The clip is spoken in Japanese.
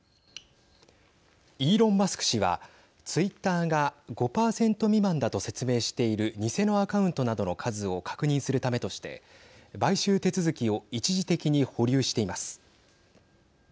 イーロン・マスク氏はツイッターが５％未満だと説明している偽のアカウントなどの数を確認するためとして買収手続きを一時的に保留しています。